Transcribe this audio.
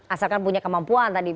asalkan punya kemampuan tadi